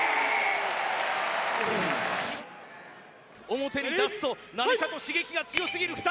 表に出すと何かと刺激が強すぎる２人。